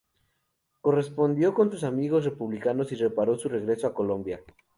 Correspondió con sus amigos republicanos y preparó su regreso a Colombia.